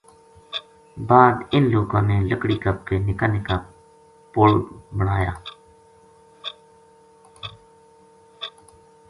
بعد اِن لوکاں نے لکڑی کپ کے نِکا نِکا پل بڑایا